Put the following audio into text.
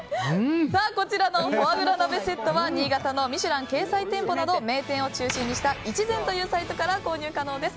こちらのフォアグラ鍋セットは新潟の「ミシュラン」掲載店舗など名店を中心にしたイチゼンというサイトから購入可能です。